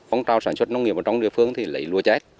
phóng trao sản xuất nông nghiệp ở trong địa phương thì lấy lúa chết